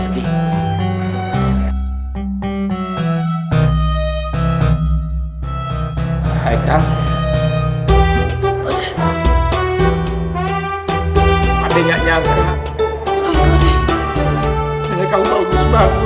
amri ini kamu mau khusus bangun